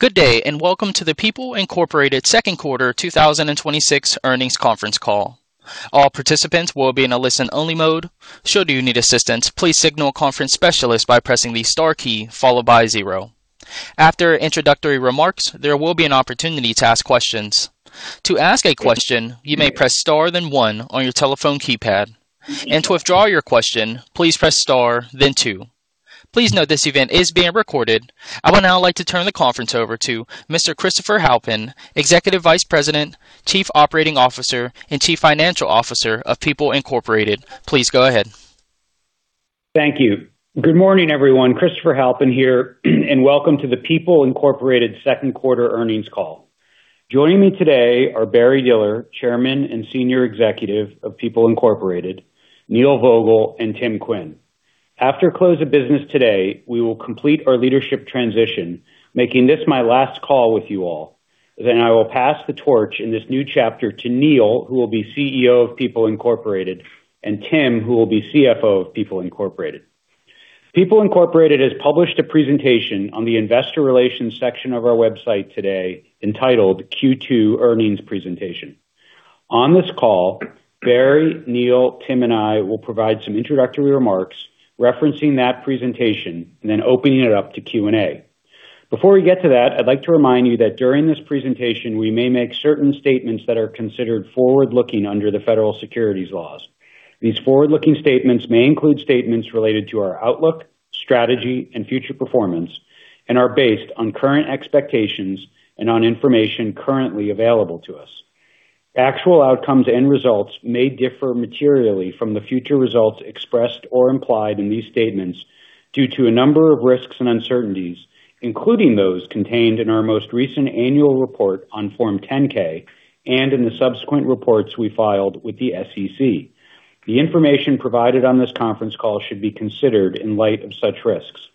Good day, welcome to the People Incorporated second quarter 2026 earnings conference call. All participants will be in a listen-only mode. Should you need assistance, please signal a conference specialist by pressing the star key followed by zero. After introductory remarks, there will be an opportunity to ask questions. To ask a question, you may press star then one on your telephone keypad. To withdraw your question, please press star then two. Please note this event is being recorded. I would now like to turn the conference over to Mr. Christopher Halpin, Executive Vice President, Chief Operating Officer and Chief Financial Officer of People Incorporated. Please go ahead. Thank you. Good morning, everyone. Christopher Halpin here, welcome to the People Incorporated second quarter earnings call. Joining me today are Barry Diller, Chairman and Senior Executive of People Incorporated, Neil Vogel, and Tim Quinn. After close of business today, we will complete our leadership transition, making this my last call with you all. I will pass the torch in this new chapter to Neil, who will be CEO of People Incorporated, and Tim, who will be CFO of People Incorporated. People Incorporated has published a presentation on the Investor Relations section of our website today entitled Q2 Earnings Presentation. On this call, Barry, Neil, Tim, and I will provide some introductory remarks referencing that presentation then opening it up to Q&A. Before we get to that, I'd like to remind you that during this presentation we may make certain statements that are considered forward-looking under the Federal Securities laws. These forward-looking statements may include statements related to our outlook, strategy, and future performance and are based on current expectations and on information currently available to us. Actual outcomes and results may differ materially from the future results expressed or implied in these statements due to a number of risks and uncertainties, including those contained in our most recent annual report on Form 10-K and in the subsequent reports we filed with the SEC. The information provided on this conference call should be considered in light of such risks.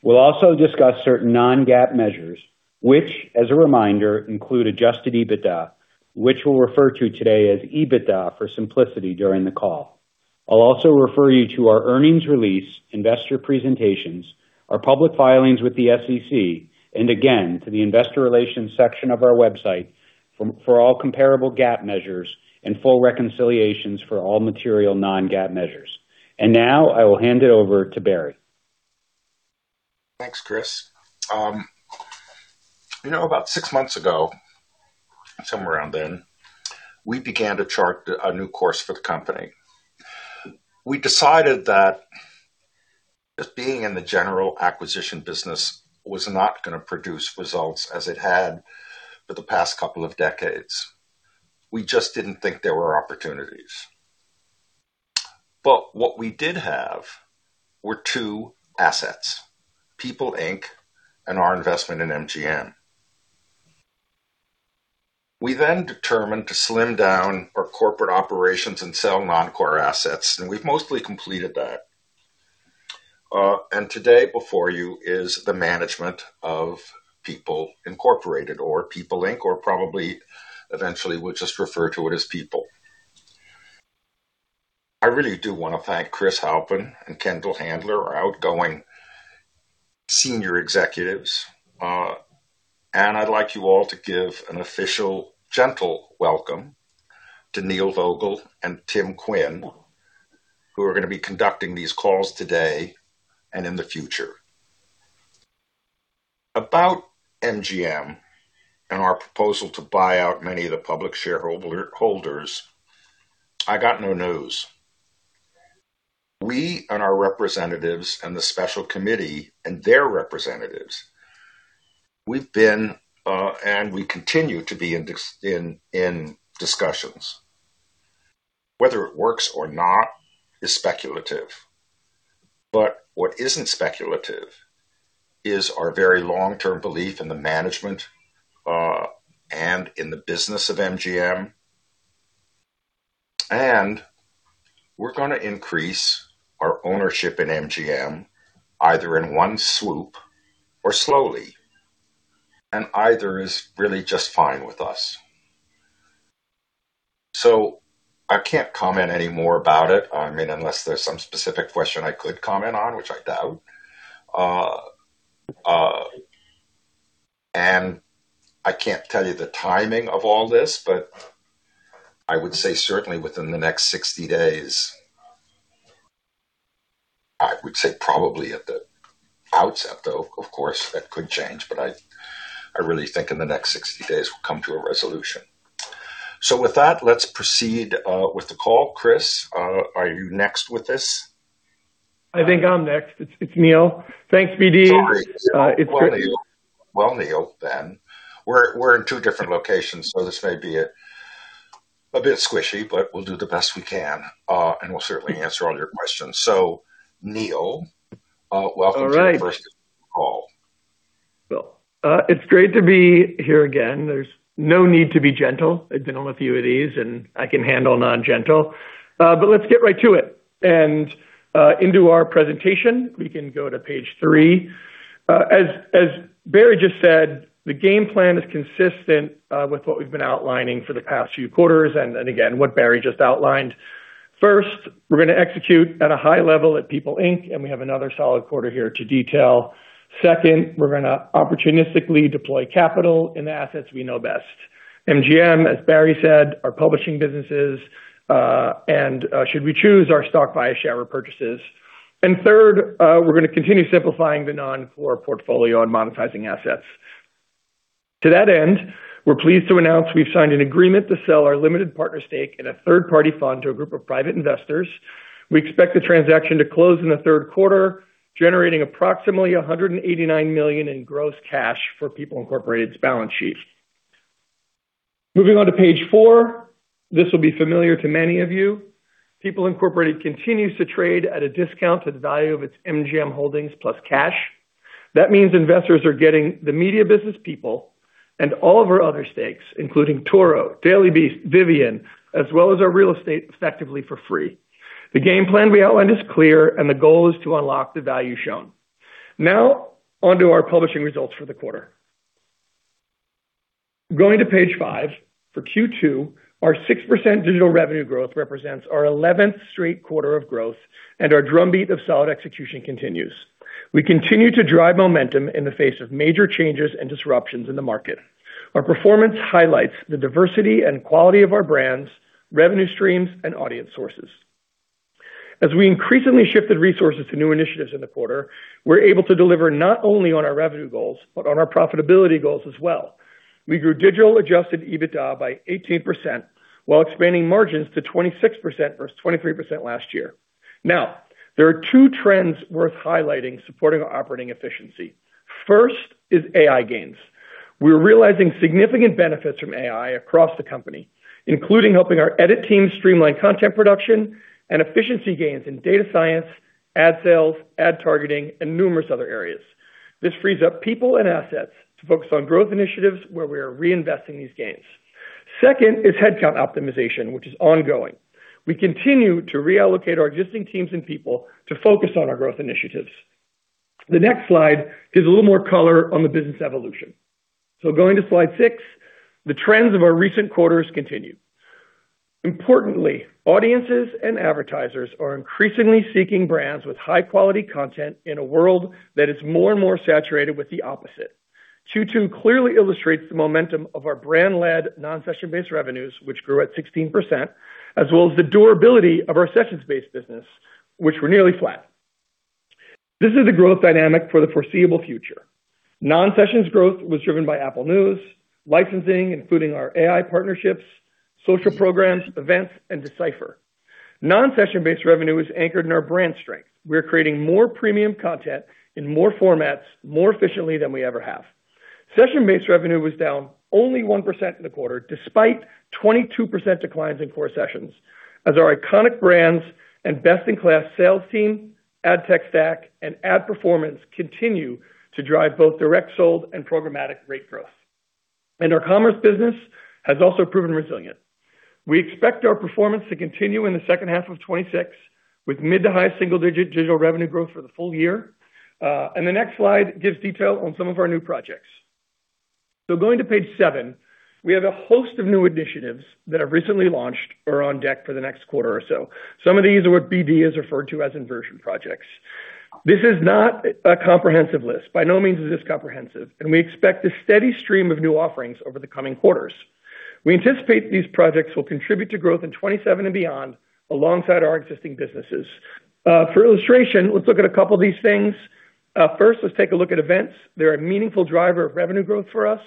We'll also discuss certain non-GAAP measures, which, as a reminder, adjusted EBITDA, which we'll refer to today as EBITDA for simplicity during the call. I'll also refer you to our earnings release, investor presentations, our public filings with the SEC, and again, to the Investor Relations section of our website for all comparable GAAP measures and full reconciliations for all material non-GAAP measures. Now I will hand it over to Barry. Thanks, Chris. About six months ago, somewhere around then, we began to chart a new course for the company. We decided that being in the general acquisition business was not going to produce results as it had for the past couple of decades. We just didn't think there were opportunities. What we did have were two assets, People Inc and our investment in MGM. We then determined to slim down our corporate operations and sell non-core assets, and we've mostly completed that. Today, before you is the management of People Incorporated or People Inc or probably eventually we'll just refer to it as People. I really do want to thank Chris Halpin and Kendall Handler, our outgoing senior executives. I'd like you all to give an official gentle welcome to Neil Vogel and Tim Quinn, who are going to be conducting these calls today and in the future. About MGM and our proposal to buy out many of the public shareholders, I got no news. We and our representatives and the special committee and their representatives, we've been and we continue to be in discussions. Whether it works or not is speculative. What isn't speculative is our very long-term belief in the management, and in the business of MGM. We're going to increase our ownership in MGM either in one swoop or slowly, and either is really just fine with us. I can't comment any more about it. I mean, unless there's some specific question I could comment on, which I doubt. I can't tell you the timing of all this, but I would say certainly within the next 60 days. I would say probably at the outset, though, of course, that could change. I really think in the next 60 days we'll come to a resolution. With that, let's proceed with the call. Chris, are you next with this? I think I'm next. It's Neil. Thanks, BD. Sorry. Neil. We're in two different locations, so this may be a bit squishy, but we'll do the best we can. We'll certainly answer all your questions. Neil, welcome to your first call. It's great to be here again. There's no need to be gentle. I've been on a few of these, I can handle non-gentle. Let's get right to it and into our presentation. We can go to page three. As Barry just said, the game plan is consistent with what we've been outlining for the past few quarters and again, what Barry just outlined. First, we're going to execute at a high level at People Inc., we have another solid quarter here to detail. Second, we're going to opportunistically deploy capital in the assets we know best. MGM, as Barry said, our publishing businesses, and should we choose, our stock buyback share repurchases. Third, we're going to continue simplifying the non-core portfolio on monetizing assets. To that end, we're pleased to announce we've signed an agreement to sell our limited partner stake in a third-party fund to a group of private investors. We expect the transaction to close in the third quarter, generating approximately $189 million in gross cash for People Incorporated's balance sheet. Moving on to page four, this will be familiar to many of you. People Incorporated continues to trade at a discount to the value of its MGM holdings plus cash. That means investors are getting the media business people and all of our other stakes, including Turo, Daily Beast, Vivian, as well as our real estate effectively for free. The game plan we outlined is clear, the goal is to unlock the value shown. Now, onto our publishing results for the quarter. Going to page five, for Q2, our 6% digital revenue growth represents our 11th straight quarter of growth, our drumbeat of solid execution continues. We continue to drive momentum in the face of major changes and disruptions in the market. Our performance highlights the diversity and quality of our brands, revenue streams, and audience sources. As we increasingly shifted resources to new initiatives in the quarter, we're able to deliver not only on our revenue goals but on our profitability goals as well. We grew adjusted EBITDA by 18%, while expanding margins to 26% versus 23% last year. There are two trends worth highlighting supporting our operating efficiency. First is AI gains. We're realizing significant benefits from AI across the company, including helping our edit team streamline content production and efficiency gains in data science, ad sales, ad targeting, and numerous other areas. This frees up people and assets to focus on growth initiatives where we are reinvesting these gains. Second is headcount optimization, which is ongoing. We continue to reallocate our existing teams and people to focus on our growth initiatives. The next slide gives a little more color on the business evolution. Going to slide six, the trends of our recent quarters continue. Importantly, audiences and advertisers are increasingly seeking brands with high-quality content in a world that is more and more saturated with the opposite. Q2 clearly illustrates the momentum of our brand-led non-session-based revenues, which grew at 16%, as well as the durability of our sessions-based business, which were nearly flat. This is the growth dynamic for the foreseeable future. Non-sessions growth was driven by Apple News, licensing, including our AI partnerships, social programs, events, and Decipher. Non-session-based revenue is anchored in our brand strength. We are creating more premium content in more formats more efficiently than we ever have. Session-based revenue was down only 1% in the quarter, despite 22% declines in core sessions, as our iconic brands and best-in-class sales team, ad tech stack, and ad performance continue to drive both direct sold and programmatic rate growth. Our commerce business has also proven resilient. We expect our performance to continue in the second half of 2026 with mid to high single-digit digital revenue growth for the full year. The next slide gives detail on some of our new projects. Going to page seven, we have a host of new initiatives that have recently launched or are on deck for the next quarter or so. Some of these are what BD has referred to as inversion projects. This is not a comprehensive list. By no means is this comprehensive, and we expect a steady stream of new offerings over the coming quarters. We anticipate these projects will contribute to growth in 2027 and beyond alongside our existing businesses. For illustration, let's look at a couple of these things. First, let's take a look at events. They're a meaningful driver of revenue growth for us.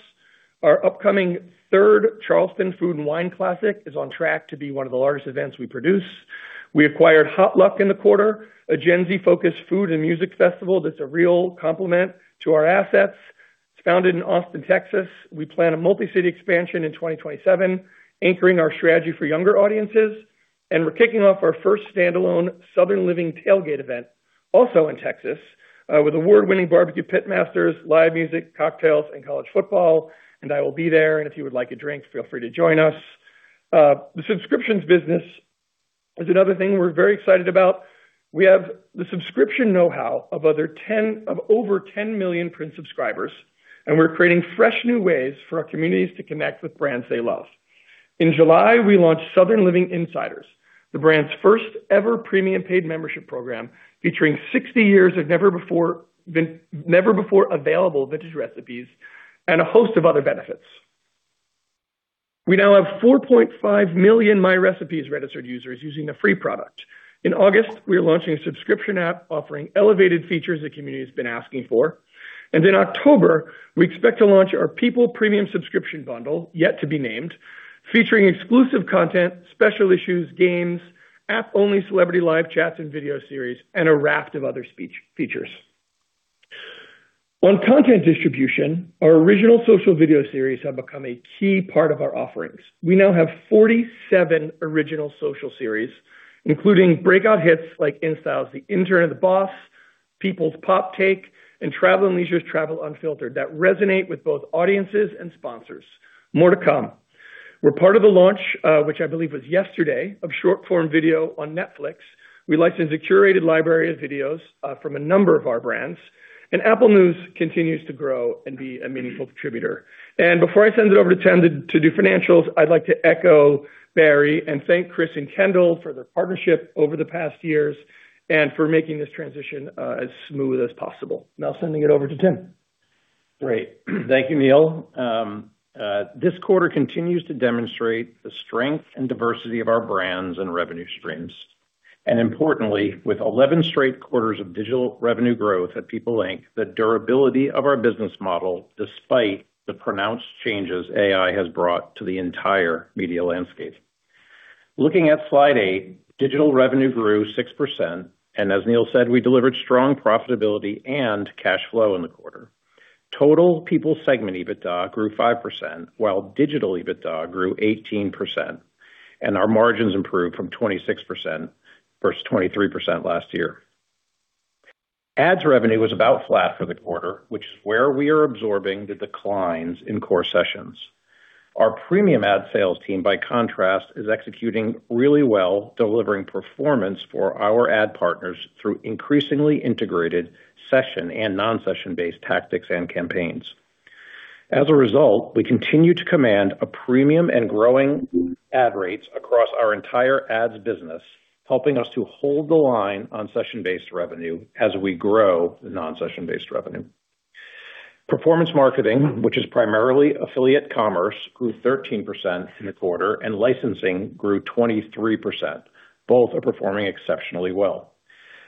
Our upcoming third Charleston Food & Wine Classic is on track to be one of the largest events we produce. We acquired Hot Luck in the quarter, a Gen Z-focused food and music festival that's a real complement to our assets. It's founded in Austin, Texas. We plan a multi-city expansion in 2027, anchoring our strategy for younger audiences. We're kicking off our first standalone Southern Living tailgate event, also in Texas, with award-winning barbecue pit masters, live music, cocktails, and college football. I will be there, and if you would like a drink, feel free to join us. The subscriptions business is another thing we're very excited about. We have the subscription know-how of over 10 million print subscribers, and we're creating fresh new ways for our communities to connect with brands they love. In July, we launched Southern Living Insiders, the brand's first ever premium paid membership program featuring 60 years of never before available vintage recipes and a host of other benefits. We now have 4.5 million MyRecipes registered users using the free product. In August, we are launching a subscription app offering elevated features the community has been asking for. In October, we expect to launch our People premium subscription bundle, yet to be named, featuring exclusive content, special issues, games, app-only celebrity live chats and video series, and a raft of other features. On content distribution, our original social video series have become a key part of our offerings. We now have 47 original social series, including breakout hits like InStyle's "The Intern and The Boss," People's "Pop Take," and Travel + Leisure's "Travel Unfiltered," that resonate with both audiences and sponsors. More to come. We're part of the launch, which I believe was yesterday, of short-form video on Netflix. We licensed a curated library of videos from a number of our brands. Apple News continues to grow and be a meaningful contributor. Before I send it over to Tim to do financials, I'd like to echo Barry and thank Chris and Kendall for their partnership over the past years and for making this transition as smooth as possible. Now sending it over to Tim. Great. Thank you, Neil. This quarter continues to demonstrate the strength and diversity of our brands and revenue streams. Importantly, with 11 straight quarters of digital revenue growth at People Inc, the durability of our business model, despite the pronounced changes AI has brought to the entire media landscape. Looking at slide eight, digital revenue grew 6%. As Neil said, we delivered strong profitability and cash flow in the quarter. Total People segment EBITDA grew 5%, while digital EBITDA grew 18%, and our margins improved from 26% versus 23% last year. Ads revenue was about flat for the quarter, which is where we are absorbing the declines in core sessions. Our premium ad sales team, by contrast, is executing really well, delivering performance for our ad partners through increasingly integrated session and non-session-based tactics and campaigns. As a result, we continue to command a premium and growing ad rates across our entire ads business, helping us to hold the line on session-based revenue as we grow the non-session-based revenue. Performance marketing, which is primarily affiliate commerce, grew 13% in the quarter, and licensing grew 23%. Both are performing exceptionally well.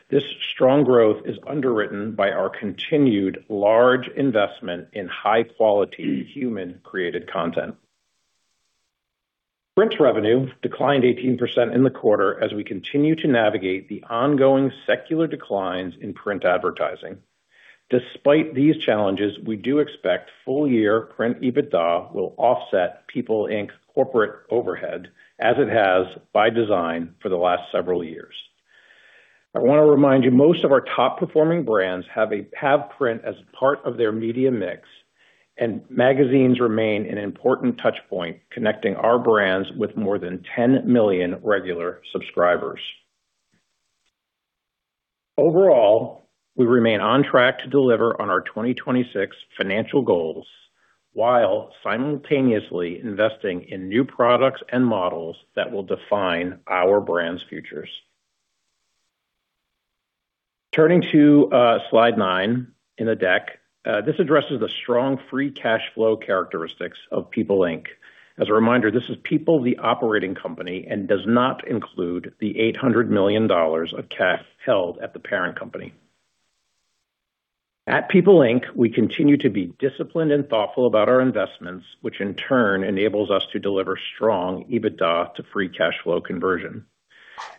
This strong growth is underwritten by our continued large investment in high-quality human-created content. Print revenue declined 18% in the quarter as we continue to navigate the ongoing secular declines in print advertising. Despite these challenges, we do expect full-year print EBITDA will offset People Inc corporate overhead, as it has by design for the last several years. I want to remind you, most of our top-performing brands have print as part of their media mix, and magazines remain an important touch point, connecting our brands with more than 10 million regular subscribers. Overall, we remain on track to deliver on our 2026 financial goals while simultaneously investing in new products and models that will define our brands' futures. Turning to slide nine in the deck. This addresses the strong free cash flow characteristics of People Inc. As a reminder, this is People, the operating company, and does not include the $800 million of cash held at the parent company. At People Inc, we continue to be disciplined and thoughtful about our investments, which in turn enables us to deliver strong EBITDA to free cash flow conversion.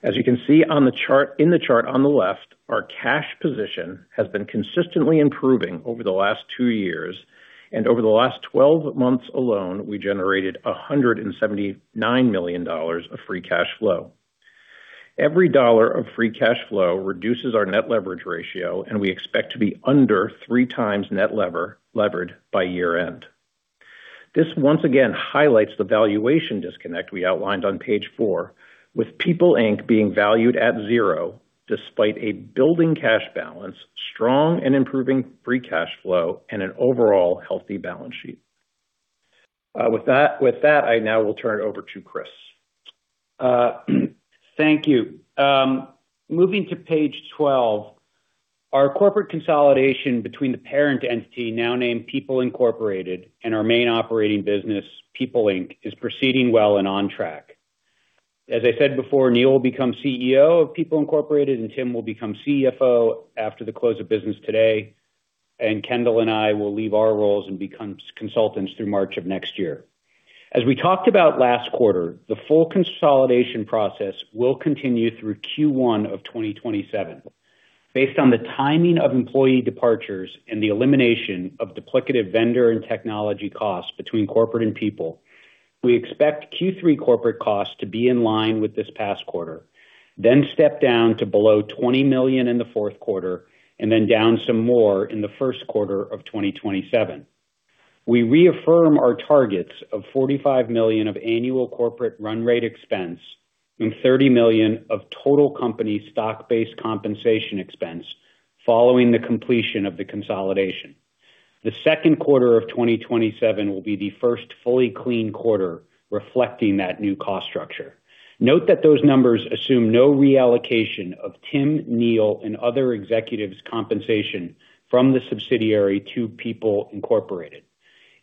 As you can see in the chart on the left, our cash position has been consistently improving over the last two years, and over the last 12 months alone, we generated $179 million of free cash flow. Every dollar of free cash flow reduces our net leverage ratio, we expect to be under 3x net levered by year-end. This once again highlights the valuation disconnect we outlined on page four, with People Inc being valued at zero despite a building cash balance, strong and improving free cash flow, and an overall healthy balance sheet. With that, I now will turn it over to Chris. Thank you. Moving to page 12, our corporate consolidation between the parent entity, now named People Incorporated, and our main operating business, People Inc, is proceeding well and on track. As I said before, Neil will become CEO of People Incorporated, Tim will become CFO after the close of business today, Kendall and I will leave our roles and become consultants through March of next year. As we talked about last quarter, the full consolidation process will continue through Q1 of 2027. Based on the timing of employee departures and the elimination of duplicative vendor and technology costs between corporate and People, we expect Q3 corporate costs to be in line with this past quarter, then step down to below $20 million in the fourth quarter, then down some more in the first quarter of 2027. We reaffirm our targets of $45 million of annual corporate run rate expense and $30 million of total company stock-based compensation expense following the completion of the consolidation. The second quarter of 2027 will be the first fully clean quarter reflecting that new cost structure. Note that those numbers assume no reallocation of Tim, Neil, and other executives' compensation from the subsidiary to People Incorporated.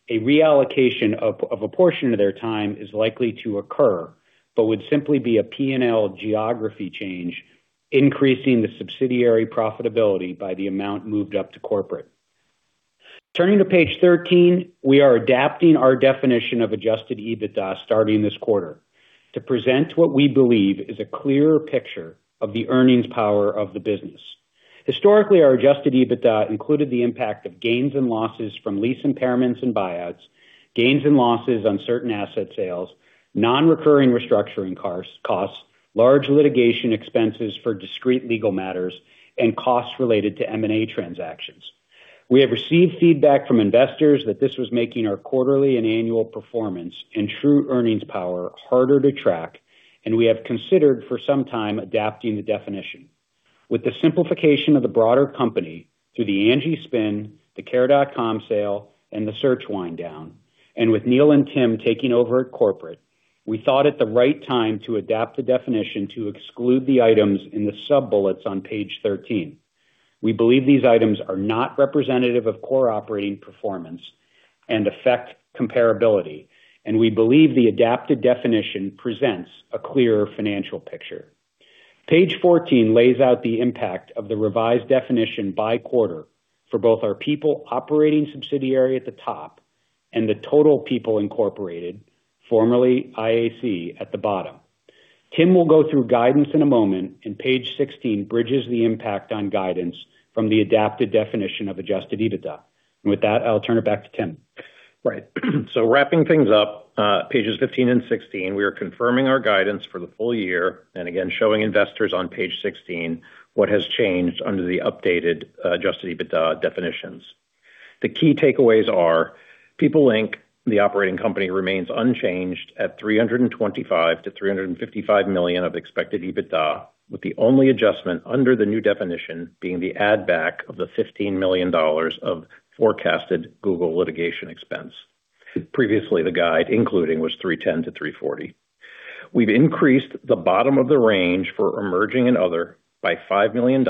A reallocation of a portion of their time is likely to occur, would simply be a P&L geography change, increasing the subsidiary profitability by the amount moved up to corporate. Turning to page 13, we are adapting our definition adjusted EBITDA starting this quarter to present what we believe is a clearer picture of the earnings power of the business. Historically, adjusted EBITDA included the impact of gains and losses from lease impairments and buyouts, gains and losses on certain asset sales, non-recurring restructuring costs, large litigation expenses for discrete legal matters, and costs related to M&A transactions. We have received feedback from investors that this was making our quarterly and annual performance and true earnings power harder to track, and we have considered for some time adapting the definition. With the simplification of the broader company through the Angi spin, the Care.com sale, and the search wind down, with Neil and Tim taking over at corporate, we thought it the right time to adapt the definition to exclude the items in the sub-bullets on page 13. We believe these items are not representative of core operating performance and affect comparability. We believe the adapted definition presents a clearer financial picture. Page 14 lays out the impact of the revised definition by quarter for both our People operating subsidiary at the top and the total People Incorporated, formerly IAC, at the bottom. Tim will go through guidance in a moment. Page 16 bridges the impact on guidance from the adapted definition adjusted EBITDA. with that, I'll turn it back to Tim. Right. Wrapping things up, pages 15 and 16, we are confirming our guidance for the full year. Again, showing investors on page 16 what has changed under the adjusted EBITDA definitions. The key takeaways are: People Inc, the operating company, remains unchanged at $325 million-$355 million of expected EBITDA, with the only adjustment under the new definition being the add back of the $15 million of forecasted Google litigation expense. Previously, the guide including was $310 million-$340 million. We've increased the bottom of the range for emerging and other by $5 million,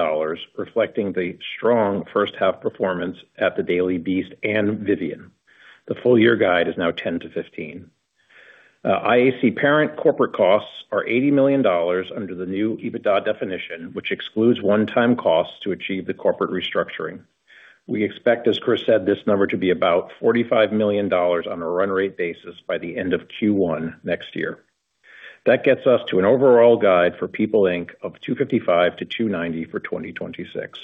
reflecting the strong first half performance at The Daily Beast and Vivian. The full-year guide is now $10 million-$15 million. IAC parent corporate costs are $80 million under the new EBITDA definition, which excludes one-time costs to achieve the corporate restructuring. We expect, as Chris said, this number to be about $45 million on a run rate basis by the end of Q1 next year. That gets us to an overall guide for People Inc. of $255 million-$290 million for 2026.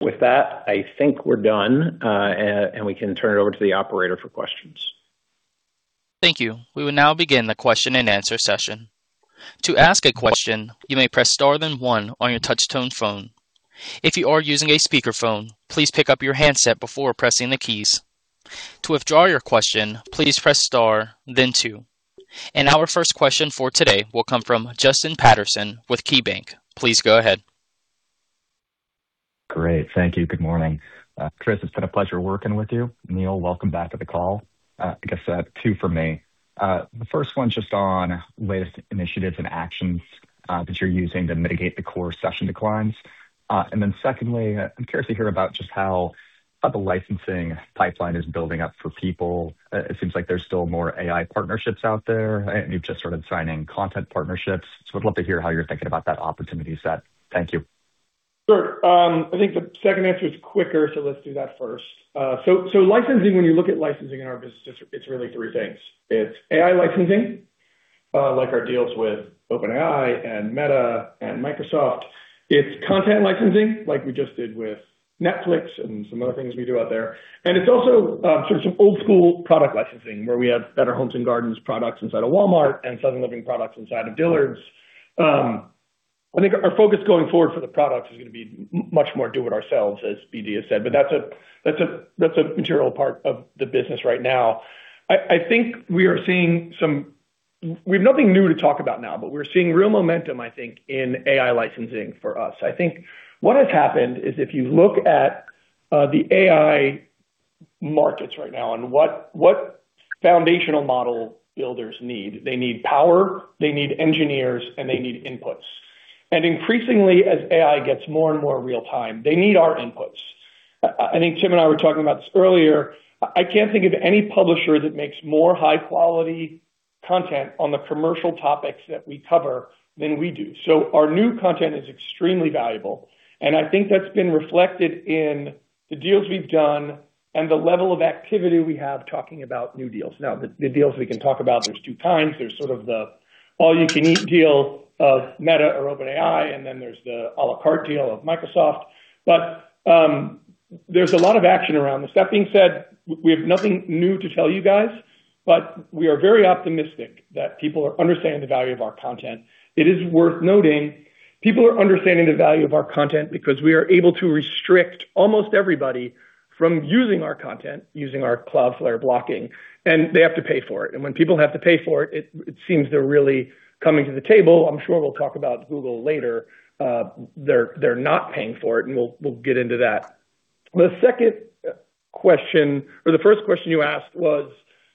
With that, I think we're done. We can turn it over to the operator for questions. Thank you. We will now begin the question and answer session. To ask a question, you may press star one on your touchtone phone. If you are using a speakerphone, please pick up your handset before pressing the keys. To withdraw your question, please press star two. Our first question for today will come from Justin Patterson with KeyBanc. Please go ahead. Great. Thank you. Good morning. Chris, it's been a pleasure working with you. Neil, welcome back to the call. I have two for me. The first one's on latest initiatives and actions that you're using to mitigate the core session declines. Secondly, I'm curious to hear about just how the licensing pipeline is building up for People. It seems like there's still more AI partnerships out there, and you've just started signing content partnerships. I'd love to hear how you're thinking about that opportunity set. Thank you. Sure. I think the second answer is quicker, let's do that first. Licensing, when you look at licensing in our business, it's really three things. It's AI licensing, like our deals with OpenAI and Meta and Microsoft. It's content licensing, like we just did with Netflix and some other things we do out there. It's also sort of some old school product licensing, where we have Better Homes & Gardens products inside of Walmart and Southern Living products inside of Dillard's. I think our focus going forward for the products is going to be much more do-it-ourselves, as BD has said, but that's a material part of the business right now. I think we have nothing new to talk about now, but we're seeing real momentum, I think, in AI licensing for us. I think what has happened is if you look at the AI markets right now and what foundational model builders need, they need power, they need engineers, and they need inputs. Increasingly, as AI gets more and more real time, they need our inputs. I think Tim and I were talking about this earlier. I can't think of any publisher that makes more high-quality content on the commercial topics that we cover than we do. Our new content is extremely valuable, and I think that's been reflected in the deals we've done and the level of activity we have talking about new deals. The deals we can talk about, there's two kinds. There's sort of the all-you-can-eat deal of Meta or OpenAI, and then there's the à la carte deal of Microsoft. There's a lot of action around this. That being said, we have nothing new to tell you guys, but we are very optimistic that people are understanding the value of our content. It is worth noting, people are understanding the value of our content because we are able to restrict almost everybody from using our content, using our Cloudflare blocking, and they have to pay for it. When people have to pay for it seems they're really coming to the table. I'm sure we'll talk about Google later. They're not paying for it, and we'll get into that. The first question you asked was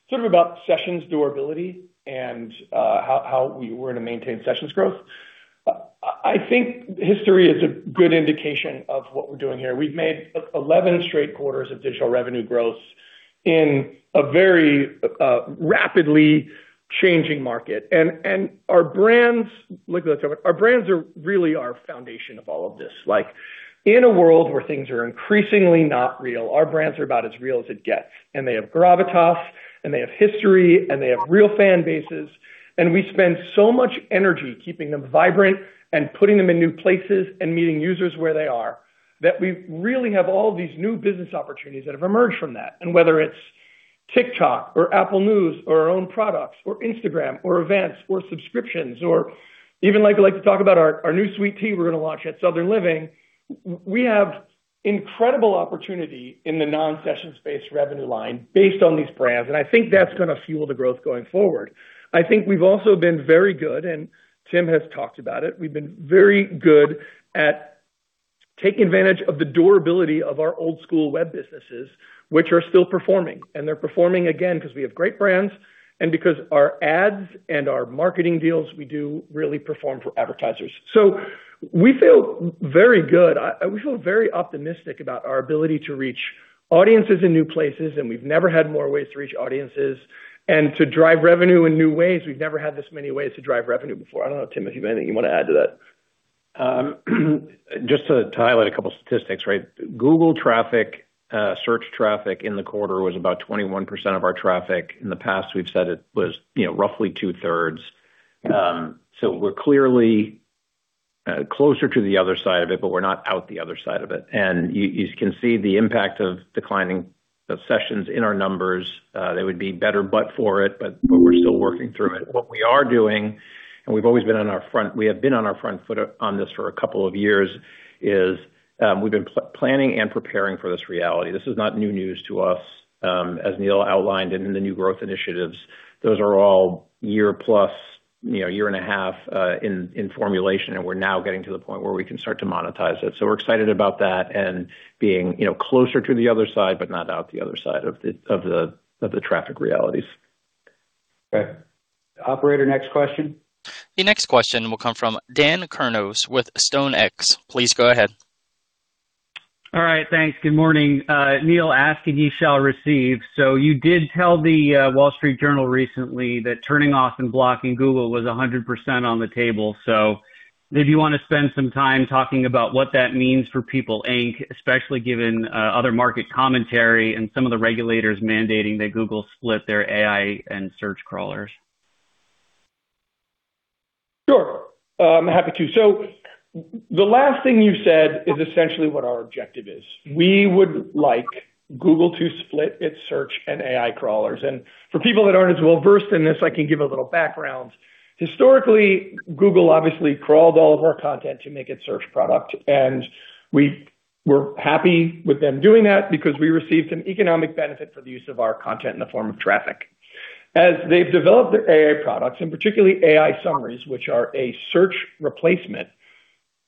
sort of about sessions durability and how we were to maintain sessions growth. I think history is a good indication of what we're doing here. We've made 11 straight quarters of digital revenue growth in a very rapidly changing market. Our brands are really our foundation of all of this. In a world where things are increasingly not real, our brands are about as real as it gets. They have gravitas, and they have history, and they have real fan bases. We spend so much energy keeping them vibrant and putting them in new places and meeting users where they are, that we really have all these new business opportunities that have emerged from that. Whether it's TikTok or Apple News or our own products, or Instagram or events or subscriptions, or even like I like to talk about our new sweet tea we're going to launch at Southern Living, we have incredible opportunity in the non-session space revenue line based on these brands, and I think that's going to fuel the growth going forward. I think we've also been very good, and Tim has talked about it. We've been very good at taking advantage of the durability of our old school web businesses, which are still performing. They're performing, again, because we have great brands and because our ads and our marketing deals we do really perform for advertisers. We feel very good. We feel very optimistic about our ability to reach audiences in new places, and we've never had more ways to reach audiences and to drive revenue in new ways. We've never had this many ways to drive revenue before. I don't know, Tim, if you have anything you want to add to that. Just to highlight a couple statistics, right? Google search traffic in the quarter was about 21% of our traffic. In the past, we've said it was roughly 2/3. We're clearly closer to the other side of it, but we're not out the other side of it. You can see the impact of declining sessions in our numbers. They would be better but for it, but we're still working through it. What we are doing, and we have been on our front foot on this for a couple of years, is we've been planning and preparing for this reality. This is not new news to us, as Neil outlined in the new growth initiatives. Those are all year plus, year and a half, in formulation, and we're now getting to the point where we can start to monetize it. We're excited about that and being closer to the other side, but not out the other side of the traffic realities. Okay. Operator, next question. The next question will come from Dan Kurnos with StoneX. Please go ahead. All right. Thanks. Good morning. Neil, ask and ye shall receive. You did tell The Wall Street Journal recently that turning off and blocking Google was 100% on the table. Did you want to spend some time talking about what that means for People Inc, especially given other market commentary and some of the regulators mandating that Google split their AI and search crawlers? Sure. I'm happy to. The last thing you said is essentially what our objective is. We would like Google to split its search and AI crawlers. For people that aren't as well-versed in this, I can give a little background. Historically, Google obviously crawled all of our content to make its search product, and we were happy with them doing that because we received an economic benefit for the use of our content in the form of traffic. As they've developed their AI products, and particularly AI Overviews, which are a search replacement,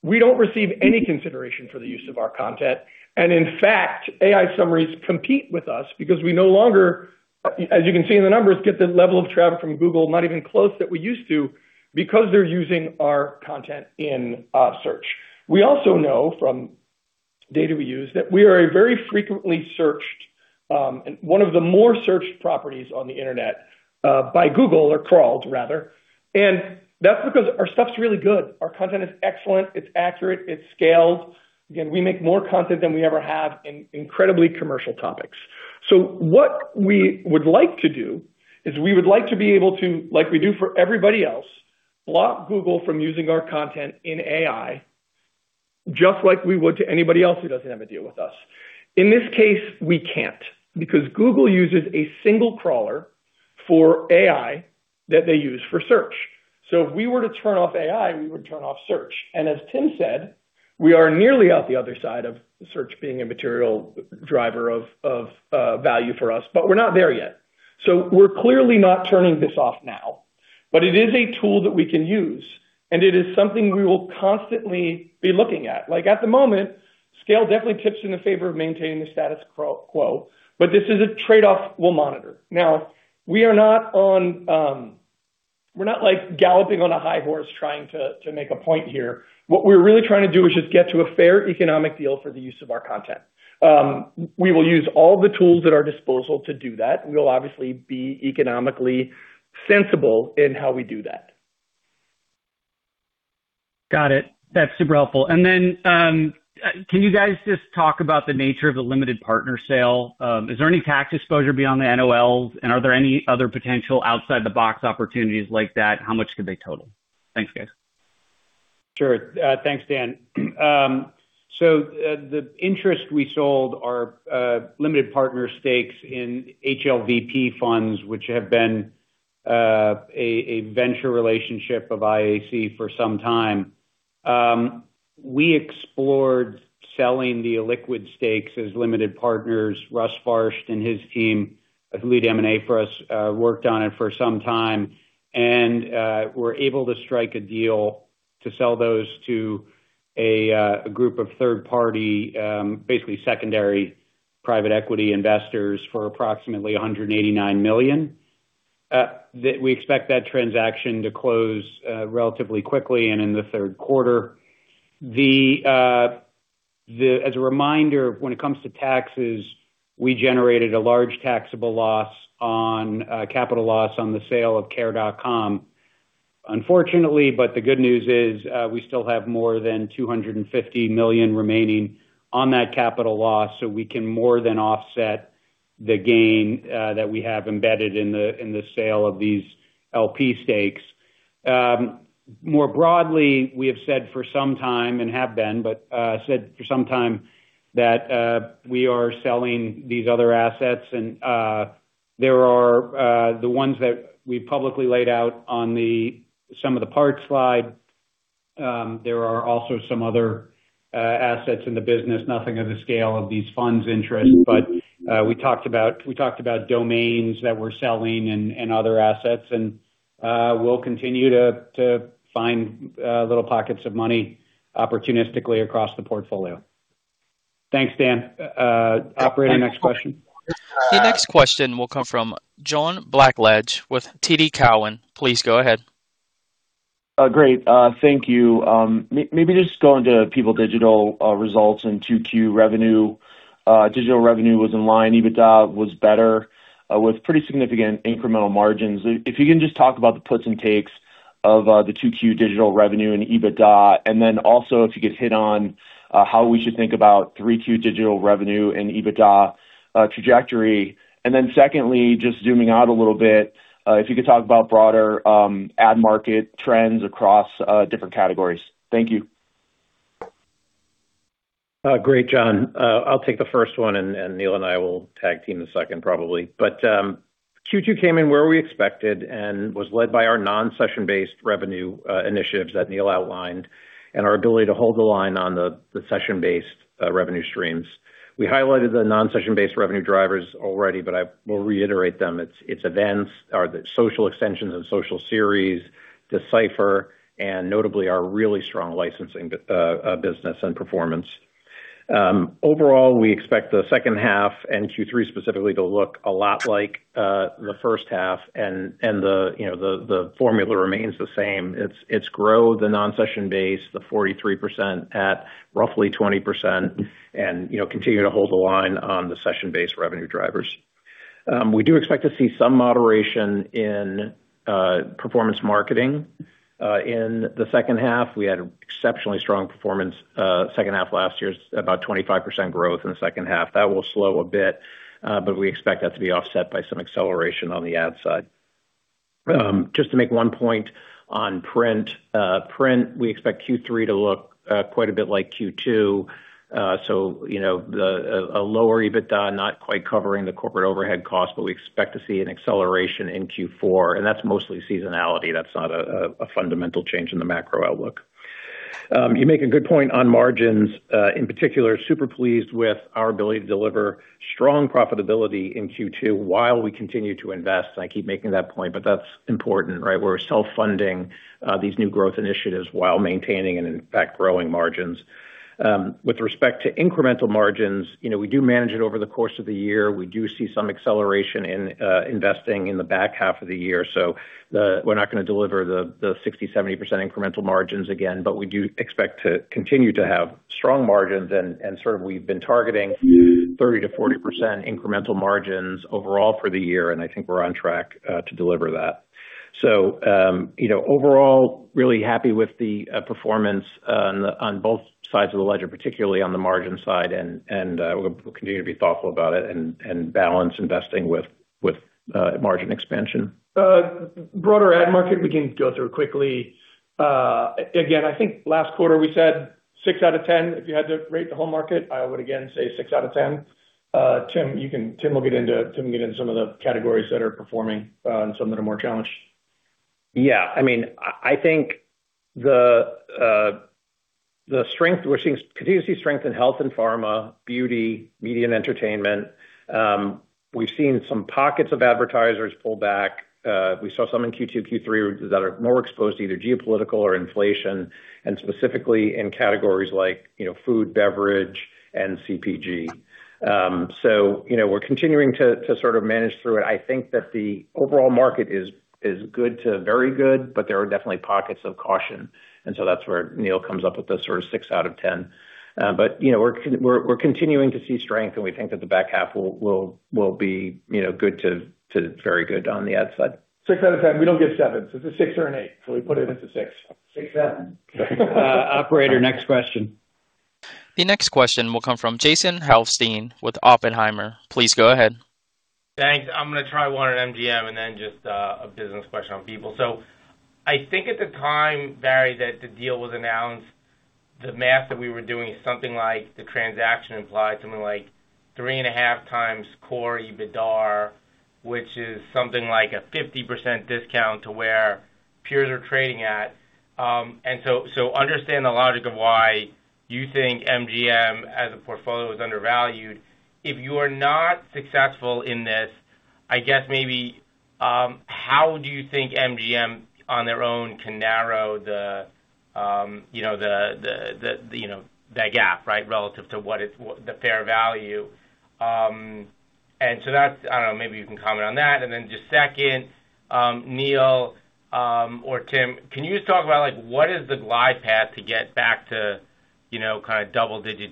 we don't receive any consideration for the use of our content. In fact, AI Overviews compete with us because we no longer, as you can see in the numbers, get the level of traffic from Google, not even close to what we used to, because they're using our content in search. We also know from data we use that we are a very frequently searched, one of the more searched properties on the Internet by Google, or crawled rather. That's because our stuff's really good. Our content is excellent. It's accurate. It's scaled. Again, we make more content than we ever have in incredibly commercial topics. What we would like to do is we would like to be able to, like we do for everybody else, block Google from using our content in AI, just like we would to anybody else who doesn't have a deal with us. In this case, we can't because Google uses a single crawler for AI that they use for search. If we were to turn off AI, we would turn off search. As Tim said, we are nearly out the other side of search being a material driver of value for us, but we're not there yet. We're clearly not turning this off now, but it is a tool that we can use, and it is something we will constantly be looking at. Like at the moment, scale definitely tips in the favor of maintaining the status quo, but this is a trade-off we'll monitor. We're not galloping on a high horse trying to make a point here. What we're really trying to do is just get to a fair economic deal for the use of our content. We will use all the tools at our disposal to do that. We will obviously be economically sensible in how we do that. Got it. That is super helpful. Can you guys just talk about the nature of the limited partner sale? Is there any tax exposure beyond the NOLs? Are there any other potential outside-the-box opportunities like that? How much could they total? Thanks, guys. Sure. Thanks, Dan. The interest we sold are limited partner stakes in HLVP funds, which have been a venture relationship of IAC for some time. We explored selling the illiquid stakes as limited partners. Russ Barst and his team, who lead M&A for us, worked on it for some time and were able to strike a deal to sell those to a group of third-party, basically secondary private equity investors for approximately $189 million. We expect that transaction to close relatively quickly and in the third quarter. As a reminder, when it comes to taxes, we generated a large taxable loss on capital loss on the sale of Care.com. Unfortunately, the good news is, we still have more than $250 million remaining on that capital loss, so we can more than offset the gain that we have embedded in the sale of these LP stakes. More broadly, we have said for some time that we are selling these other assets. There are the ones that we publicly laid out on some of the parts slide. There are also some other assets in the business, nothing of the scale of these funds interest. We talked about domains that we are selling and other assets, and we will continue to find little pockets of money opportunistically across the portfolio. Thanks, Dan. Operator, next question. The next question will come from John Blackledge with TD Cowen. Please go ahead. Great. Thank you. Maybe just going to People Digital results in 2Q revenue. Digital revenue was in line. EBITDA was better, with pretty significant incremental margins. If you can just talk about the puts and takes of the 2Q digital revenue and EBITDA, then also if you could hit on how we should think about 3Q digital revenue and EBITDA trajectory. Secondly, just zooming out a little bit, if you could talk about broader ad market trends across different categories. Thank you. Great, John. I'll take the first one, Neil and I will tag team the second probably. Q2 came in where we expected and was led by our non-session-based revenue initiatives that Neil outlined and our ability to hold the line on the session-based revenue streams. We highlighted the non-session-based revenue drivers already, but I will reiterate them. It's events or the social extensions and social series, Decipher, and notably, our really strong licensing business and performance. Overall, we expect the second half and Q3 specifically to look a lot like the first half and the formula remains the same. It's grow the non-session base, the 43% at roughly 20% and continue to hold the line on the session-based revenue drivers. We do expect to see some moderation in performance marketing. In the second half, we had exceptionally strong performance. Second half last year is about 25% growth in the second half. That will slow a bit, we expect that to be offset by some acceleration on the ad side. Just to make one point on print. Print, we expect Q3 to look quite a bit like Q2, so a lower EBITDA, not quite covering the corporate overhead cost, we expect to see an acceleration in Q4, and that's mostly seasonality. That's not a fundamental change in the macro outlook. You make a good point on margins. In particular, super pleased with our ability to deliver strong profitability in Q2 while we continue to invest, and I keep making that point, but that's important, right? We're self-funding these new growth initiatives while maintaining and in fact growing margins. With respect to incremental margins, we do manage it over the course of the year. We do see some acceleration in investing in the back half of the year. We're not going to deliver the 60%-70% incremental margins again, but we do expect to continue to have strong margins. Certainly, we've been targeting 30%-40% incremental margins overall for the year, and I think we're on track to deliver that. Overall, really happy with the performance on both sides of the ledger, particularly on the margin side, and we'll continue to be thoughtful about it and balance investing with margin expansion. Broader ad market we can go through quickly. Again, I think last quarter we said 6 out of 10 if you had to rate the whole market. I would again say 6 out of 10. Tim will get into some of the categories that are performing and some that are more challenged. Yeah. I think we're continuing to see strength in health and pharma, beauty, media, and entertainment. We've seen some pockets of advertisers pull back. We saw some in Q2, Q3 that are more exposed to either geopolitical or inflation, specifically in categories like food, beverage, and CPG. We're continuing to sort of manage through it. I think that the overall market is good to very good, there are definitely pockets of caution, that's where Neil comes up with the sort of six out of 10. We're continuing to see strength, and we think that the back half will be good to very good on the ad side. 6 out of 10. We don't give sevens. It's a six or an eight. We put it as a six. Six, seven. Operator, next question. The next question will come from Jason Helfstein with Oppenheimer. Please go ahead. Thanks. I'm gonna try one on MGM and then just a business question on People. I think at the time, Barry, that the deal was announced, the math that we were doing is something like the transaction implied something like three and a half times core EBITDA, which is something like a 50% discount to where peers are trading at. Understand the logic of why you think MGM as a portfolio is undervalued. If you are not successful in this, I guess maybe, how do you think MGM on their own can narrow that gap, right, relative to what the fair value? That's, I don't know, maybe you can comment on that. Just second, Neil or Tim, can you just talk about what is the glide path to get back to kind of double-digit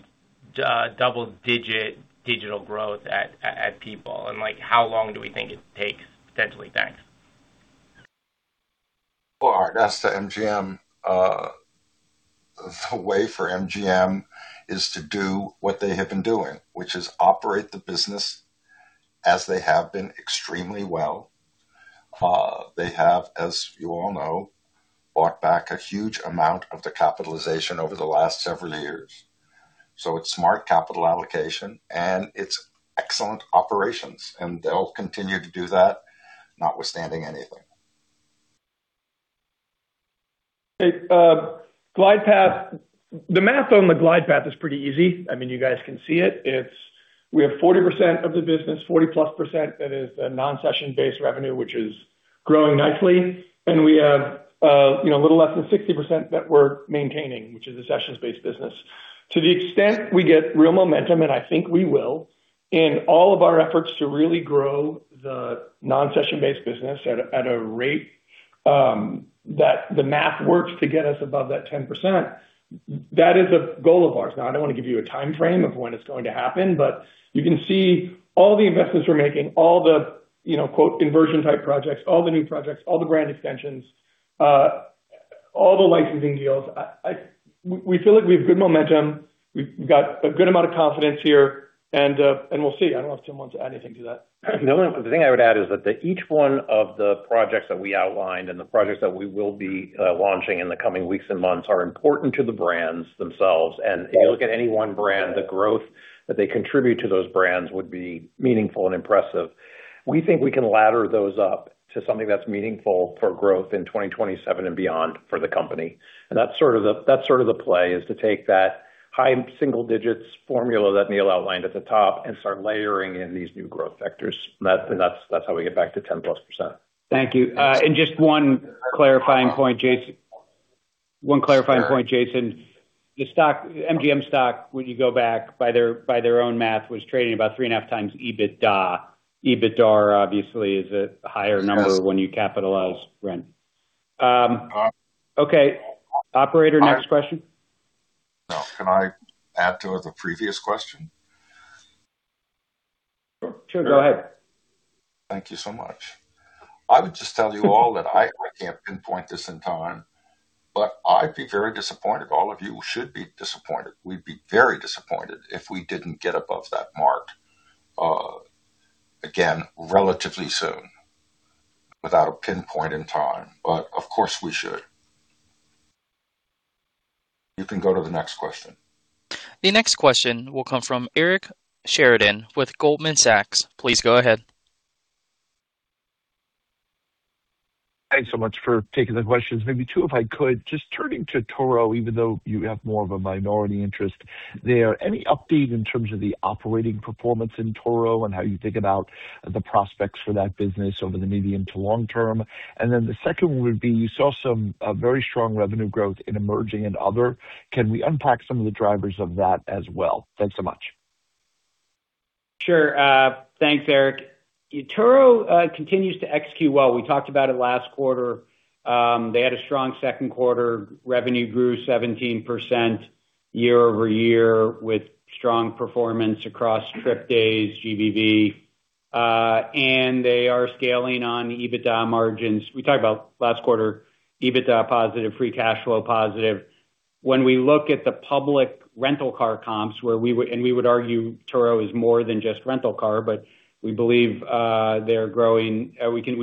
digital growth at People, and how long do we think it takes potentially? Thanks. Well, the way for MGM is to do what they have been doing, which is operate the business as they have been extremely well. They have, as you all know, bought back a huge amount of the capitalization over the last several years. It's smart capital allocation and it's excellent operations, and they'll continue to do that notwithstanding anything. Okay. The math on the glide path is pretty easy. You guys can see it. We have 40% of the business, 40%+ that is a non-session based revenue, which is growing nicely. We have a little less than 60% that we're maintaining, which is a sessions-based business. To the extent we get real momentum, and I think we will, in all of our efforts to really grow the non-session based business at a rate that the math works to get us above that 10%, that is a goal of ours. I don't want to give you a timeframe of when it's going to happen, but you can see all the investments we're making, all the quote, inversion type projects, all the new projects, all the brand extensions, all the licensing deals. We feel like we have good momentum. We've got a good amount of confidence here. We'll see. I don't know if Tim wants to add anything to that. The only thing I would add is that each one of the projects that we outlined and the projects that we will be launching in the coming weeks and months are important to the brands themselves. If you look at any one brand, the growth that they contribute to those brands would be meaningful and impressive. We think we can ladder those up to something that's meaningful for growth in 2027 and beyond for the company. That's sort of the play, is to take that high single digits formula that Neil outlined at the top and start layering in these new growth vectors. That's how we get back to 10%+. Thank you. Just one clarifying point, Jason. MGM stock, when you go back, by their own math, was trading about three and a half times EBITDA. EBITDA obviously is a higher number- Yes. ...when you capitalize rent. Okay. Operator, next question. Can I add to the previous question? Sure, go ahead. Thank you so much. I would just tell you all that I can't pinpoint this in time, but I'd be very disappointed, all of you should be disappointed. We'd be very disappointed if we didn't get above that mark. Again, relatively soon, without a pinpoint in time, but of course we should. You can go to the next question. The next question will come from Eric Sheridan with Goldman Sachs. Please go ahead. Thanks so much for taking the questions. Maybe two, if I could. Just turning to Turo, even though you have more of a minority interest there, any update in terms of the operating performance in Turo and how you think about the prospects for that business over the medium to long term? The second one would be, you saw some very strong revenue growth in emerging and other. Can we unpack some of the drivers of that as well? Thanks so much. Sure. Thanks, Eric. Turo continues to execute well. We talked about it last quarter. They had a strong second quarter. Revenue grew 17% year-over-year with strong performance across trip days, GBV. They are scaling on EBITDA margins. We talked about last quarter, EBITDA positive, free cash flow positive. When we look at the public rental car comps, and we would argue Turo is more than just rental car, but we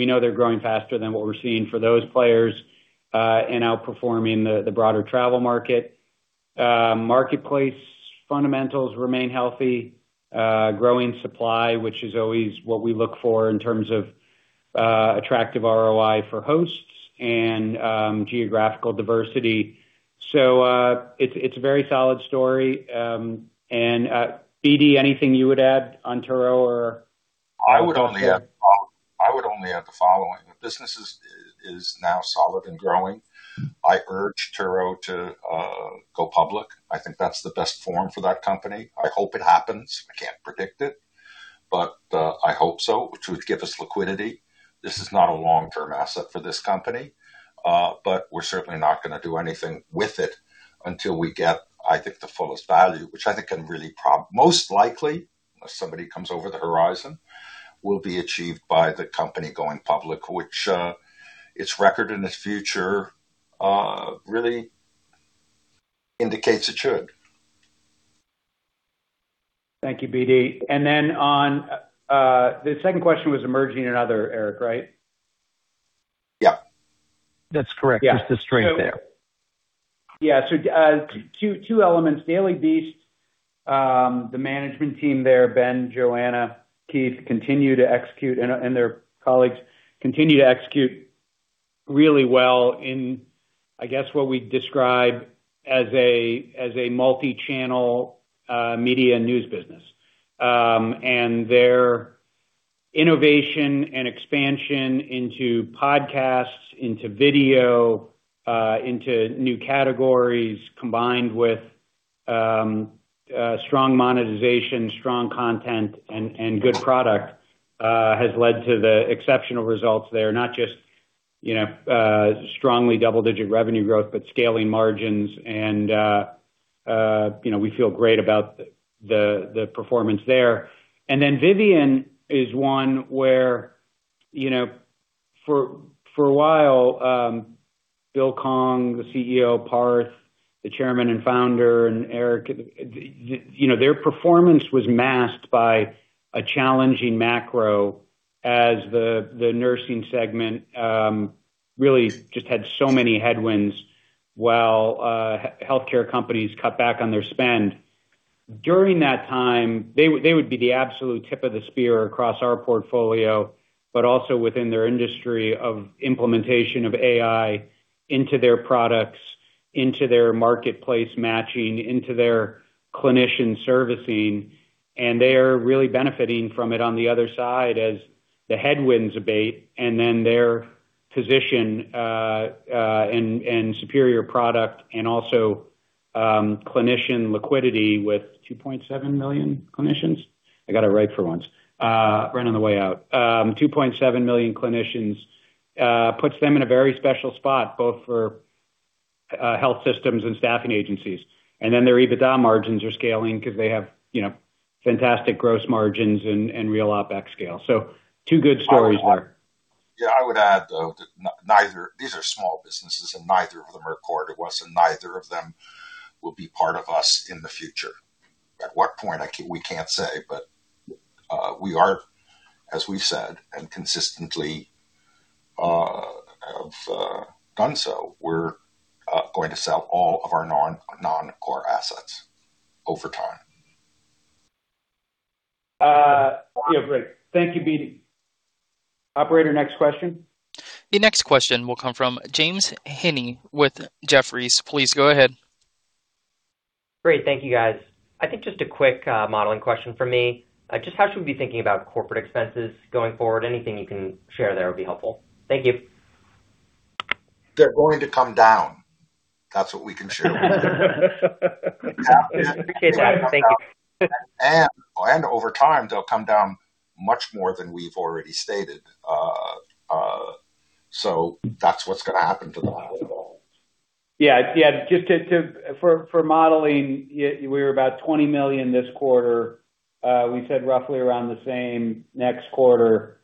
know they're growing faster than what we're seeing for those players, and outperforming the broader travel market. Marketplace fundamentals remain healthy. Growing supply, which is always what we look for in terms of attractive ROI for hosts and geographical diversity. It's a very solid story. BD, anything you would add on Turo or I would only add the following. The business is now solid and growing. I urge Turo to go public. I think that's the best form for that company. I hope it happens. I can't predict it, but I hope so, which would give us liquidity. This is not a long-term asset for this company. We're certainly not going to do anything with it until we get the fullest value. Which I think most likely, unless somebody comes over the horizon, will be achieved by the company going public. Which its record and its future really indicates it should. Thank you, BD. Then the second question was emerging and other, Eric, right? Yeah. That's correct. Just the strength there. Yeah. Two elements. The Daily Beast, the management team there, Ben, Joanna, Keith, and their colleagues continue to execute really well in, I guess what we'd describe as a multi-channel media news business. Their innovation and expansion into podcasts, into video, into new categories, combined with strong monetization, strong content, and good product, has led to the exceptional results there. Not just strongly double-digit revenue growth, but scaling margins and we feel great about the performance there. Then Vivian is one where for a while, Bill Kong, the CEO; Parth, the Chairman and Founder; and Eric, their performance was masked by a challenging macro as the nursing segment really just had so many headwinds while healthcare companies cut back on their spend. During that time, they would be the absolute tip of the spear across our portfolio, but also within their industry of implementation of AI into their products, into their marketplace matching, into their clinician servicing, and they are really benefiting from it on the other side as the headwinds abate and then their position and superior product and also clinician liquidity with 2.7 million clinicians, I got it right for once. Right on the way out. 2.7 million clinicians puts them in a very special spot, both for health systems and staffing agencies. Their EBITDA margins are scaling because they have fantastic gross margins and real OpEx scale. Two good stories there. Yeah. I would add, though, that these are small businesses, and neither of them are core to us, and neither of them will be part of us in the future. At what point? We can't say. We are, as we've said and consistently have done so, we're going to sell all of our non-core assets over time. Yeah. Great. Thank you, BD. Operator, next question. The next question will come from James Heaney with Jefferies. Please go ahead. Great. Thank you, guys. I think just a quick modeling question from me. Just how should we be thinking about corporate expenses going forward? Anything you can share there would be helpful. Thank you. They're going to come down. That's what we can share with you. Okay, James. Thank you. Over time, they'll come down much more than we've already stated. That's what's going to happen to the model. Yeah. For modeling, we were about $20 million this quarter. We said roughly around the same next quarter.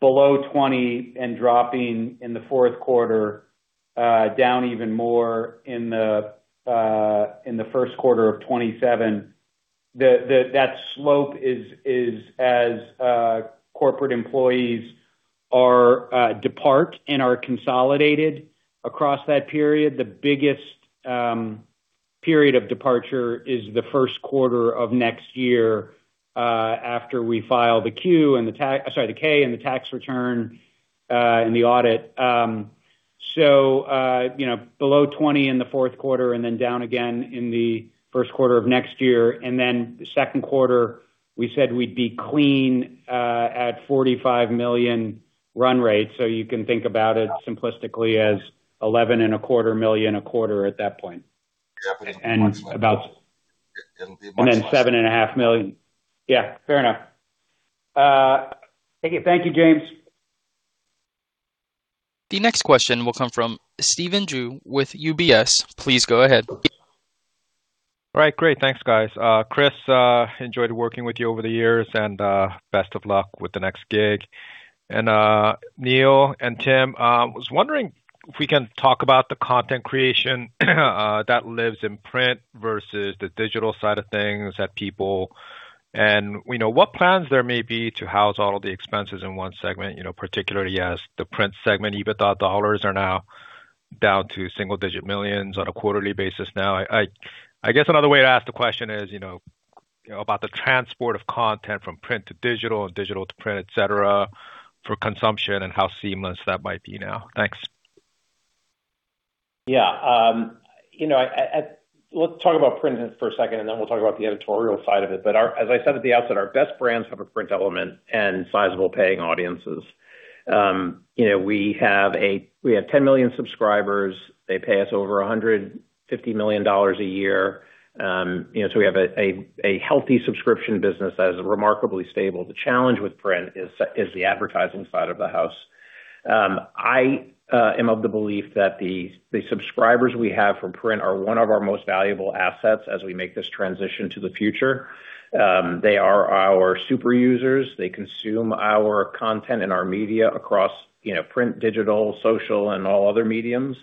Below $20 million and dropping in the fourth quarter, down even more in the first quarter of 2027. That slope is as corporate employees depart and are consolidated across that period. The biggest period of departure is the first quarter of next year, after we file the K and the tax return and the audit. Below $20 million in the fourth quarter and then down again in the first quarter of next year. The second quarter, we said we'd be clean at $45 million run rate. You can think about it simplistically as $11.25 million a quarter at that point. Yeah. It will be much less. Then $7.5 million. Yeah, fair enough. Thank you, James. The next question will come from Stephen Ju with UBS. Please go ahead. Right. Great. Thanks, guys. Chris, enjoyed working with you over the years, and best of luck with the next gig. Neil and Tim, I was wondering if we can talk about the content creation that lives in print versus the digital side of things at People and what plans there may be to house all of the expenses in one segment, particularly as the print segment EBITDA dollars are now down to single digit millions on a quarterly basis now. I guess another way to ask the question is about the transport of content from print to digital and digital to print, etc, for consumption, and how seamless that might be now. Thanks. Yeah. Let's talk about print for a second, then we'll talk about the editorial side of it. As I said at the outset, our best brands have a print element and sizable paying audiences. We have 10 million subscribers. They pay us over $150 million a year. We have a healthy subscription business that is remarkably stable. The challenge with print is the advertising side of the house. I am of the belief that the subscribers we have for print are one of our most valuable assets as we make this transition to the future. They are our super users. They consume our content and our media across print, digital, social, and all other mediums.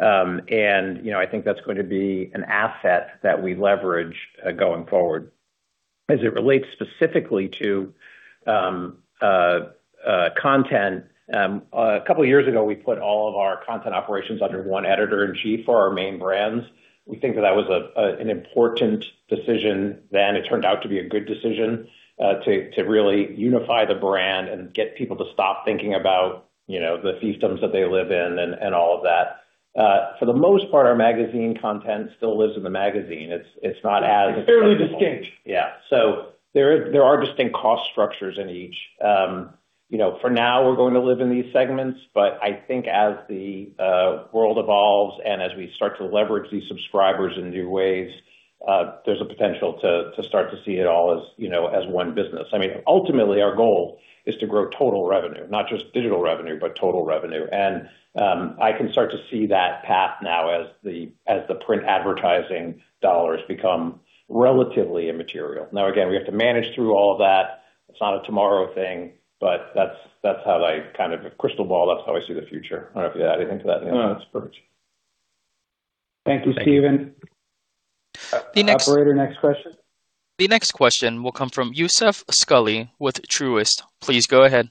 I think that's going to be an asset that we leverage going forward. As it relates specifically to content, a couple of years ago, we put all of our content operations under one editor-in-chief for our main brands. We think that that was an important decision then. It turned out to be a good decision to really unify the brand and get people to stop thinking about the fiefdoms that they live in and all of that. For the most part, our magazine content still lives in the magazine. It's not as- It's fairly distinct. Yeah. There are distinct cost structures in each. For now, we're going to live in these segments, I think as the world evolves and as we start to leverage these subscribers in new ways, there's a potential to start to see it all as one business. Ultimately, our goal is to grow total revenue, not just digital revenue, but total revenue. I can start to see that path now as the print advertising dollars become relatively immaterial. Now, again, we have to manage through all of that. It's not a tomorrow thing, but that's how I kind of crystal ball. That's how I see the future. I don't know if you have anything to that, Neil. No, that's perfect. Thank you, Stephen. The next- Operator, next question. The next question will come from Youssef Squali with Truist. Please go ahead.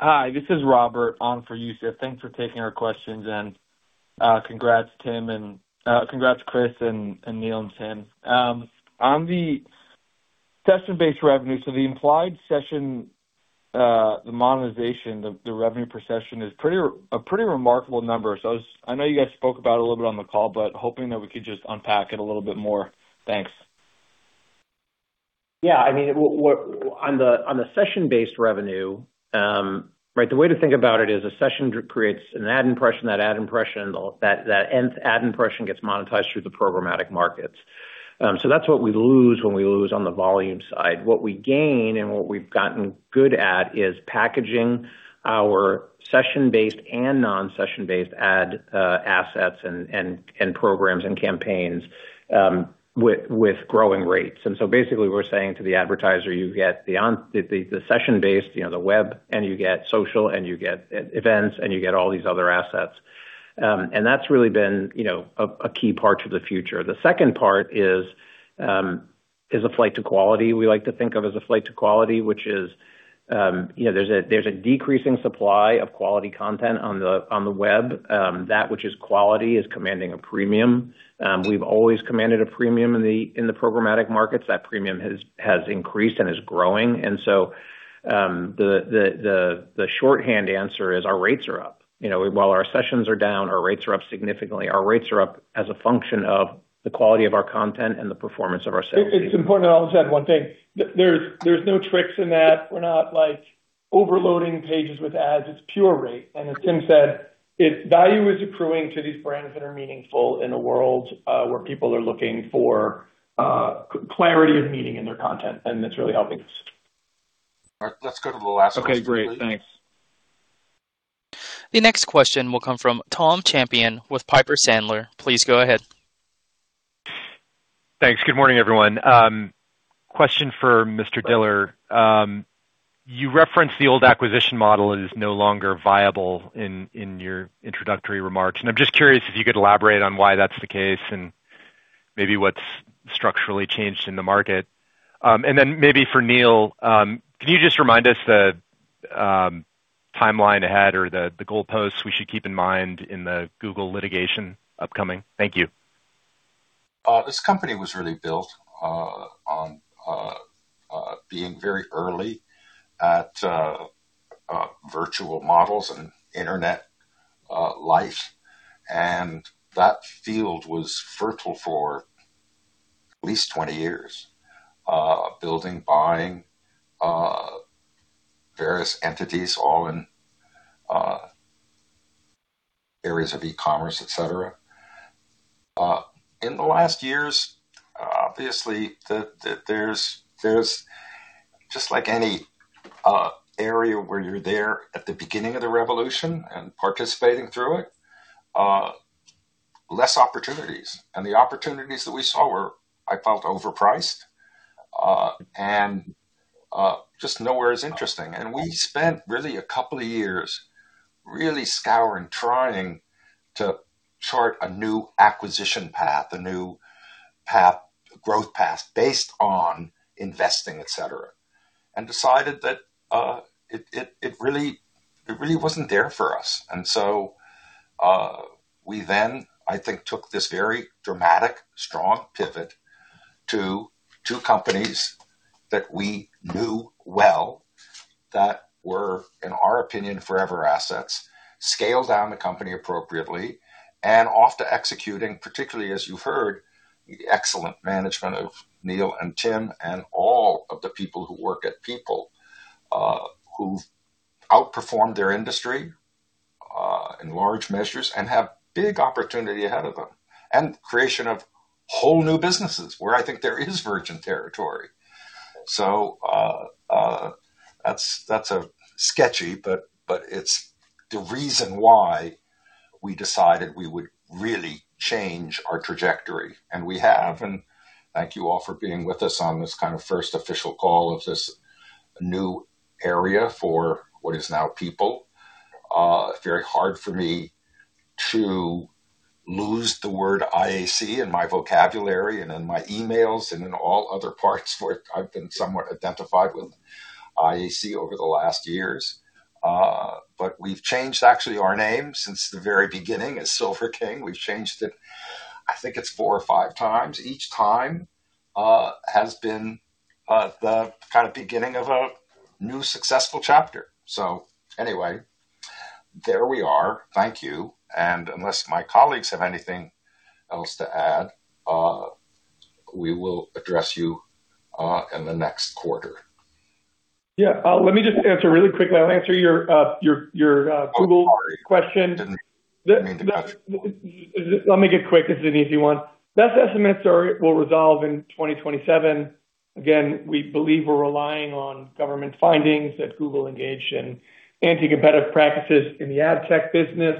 Hi, this is Robert on for Youssef. Thanks for taking our questions, and congrats, Chris, Neil, and Tim. On the session-based revenue, the implied session, the monetization, the revenue per session is a pretty remarkable number. I know you guys spoke about it a little bit on the call, but hoping that we could just unpack it a little bit more. Thanks. Yeah. On the session-based revenue, the way to think about it is a session creates an ad impression. That ad impression gets monetized through the programmatic markets. That's what we lose when we lose on the volume side. What we gain and what we've gotten good at is packaging our session-based and non-session-based ad assets and programs and campaigns with growing rates. Basically, we're saying to the advertiser, you get the session-based, the web, and you get social and you get events, and you get all these other assets. That's really been a key part to the future. The second part is a flight to quality. We like to think of as a flight to quality, which is there's a decreasing supply of quality content on the web. That which is quality is commanding a premium. We've always commanded a premium in the programmatic markets. That premium has increased and is growing. The shorthand answer is our rates are up. While our sessions are down, our rates are up significantly. Our rates are up as a function of the quality of our content and the performance of our sales team. It's important. I'll just add one thing. There's no tricks in that. We're not overloading pages with ads. It's pure rate. As Tim said, value is accruing to these brands that are meaningful in a world where people are looking for clarity of meaning in their content, and it's really helping us. All right. Let's go to the last question, please. Okay, great. Thanks. The next question will come from Tom Champion with Piper Sandler. Please go ahead. Thanks. Good morning, everyone. Question for Mr. Diller. You referenced the old acquisition model is no longer viable in your introductory remarks, I'm just curious if you could elaborate on why that's the case and maybe what's structurally changed in the market. Then maybe for Neil, can you just remind us the timeline ahead or the goalposts we should keep in mind in the Google litigation upcoming? Thank you. This company was really built on being very early at virtual models and Internet life, that field was fertile for at least 20 years. Building, buying various entities, all in areas of e-commerce, etc. In the last years, obviously, there's just like any area where you're there at the beginning of the revolution and participating through it, less opportunities. The opportunities that we saw were, I felt, overpriced, just nowhere as interesting. We spent really a couple of years really scouring, trying to chart a new acquisition path, a new growth path based on investing, etc, decided that it really wasn't there for us. We then, I think, took this very dramatic, strong pivot to two companies that we knew well, that were, in our opinion, forever assets, scaled down the company appropriately, off to executing, particularly as you've heard, the excellent management of Neil and Tim and all of the people who work at People who've outperformed their industry in large measures and have big opportunity ahead of them, creation of whole new businesses where I think there is virgin territory. That's sketchy, it's the reason why we decided we would really change our trajectory, we have. Thank you all for being with us on this kind of first official call of this new area for what is now People. Very hard for me to lose the word IAC in my vocabulary and in my emails and in all other parts where I've been somewhat identified with IAC over the last years. We've changed actually our name since the very beginning as Silver King. We've changed it, I think it's 4x or 5x. Each time has been the kind of beginning of a new successful chapter. Anyway, there we are. Thank you. Unless my colleagues have anything else to add, we will address you in the next quarter. Yeah. Let me just answer really quickly. I'll answer your Google question. Oh, sorry. I didn't mean to cut. Let me get quick. It's an easy one. That estimates will resolve in 2027. Again, we believe we're relying on government findings that Google engaged in anti-competitive practices in the ad tech business.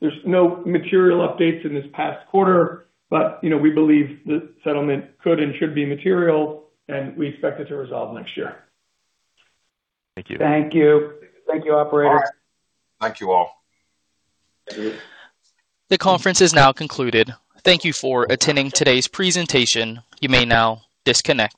There's no material updates in this past quarter, but we believe the settlement could and should be material, and we expect it to resolve next year. Thank you. Thank you. Thank you, operator. All right. Thank you, all. The conference is now concluded. Thank you for attending today's presentation. You may now disconnect.